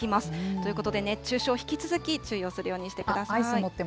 ということで熱中症、引き続き注意をするようにしてください。